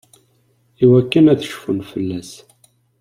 Iwakken ad cfun fell-as.